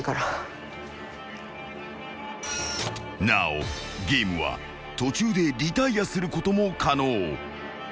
［なおゲームは途中でリタイアすることも可能］